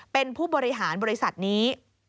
เป็นผู้บริหารบริษัทนี้